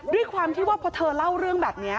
ด้วยความที่ว่าพอเธอเล่าเรื่องแบบนี้